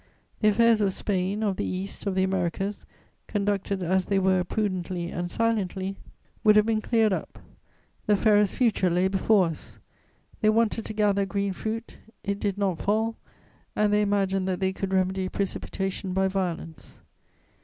The affairs of Spain, of the East, of the Americas, conducted as they were, prudently and silently, would have been cleared up; the fairest future lay before us; they wanted to gather green fruit; it did not fall, and they imagined that they could remedy precipitation by violence.